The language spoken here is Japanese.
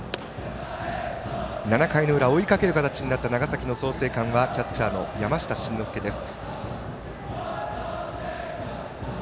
７回の裏、追いかける形になった長崎の創成館はキャッチャーの山下真ノ介です。